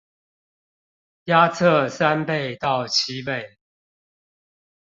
壓測三倍到七倍